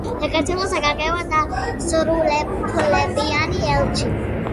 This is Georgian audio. საქართველოს საგანგებო და სრულუფლებიანი ელჩი.